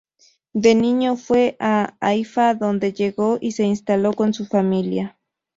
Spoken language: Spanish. De niño fue a Haifa donde llegó y se instaló con su familia.